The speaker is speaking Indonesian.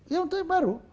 ya untuk yang baru